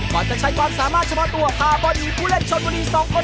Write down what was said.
ก่อนจะใช้ความสามารถเฉพาะตัวพาบอลหีผู้เล่นชนบุรี๒คนได้อย่างสวยงาม